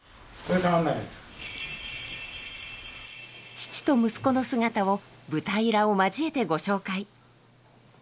父と息子の姿を舞台裏を交えてご紹介。